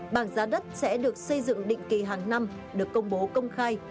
bảng giá đất sẽ được xây dựng định kỳ hàng năm được công bố công khai